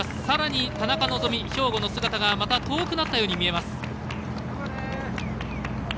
さらに田中希実、兵庫の姿がまた遠くなったように見えます。